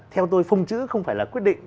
theo tôi phông chữ không phải là quyết định